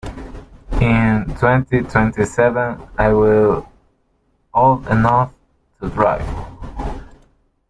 In twenty-twenty-seven I will old enough to drive.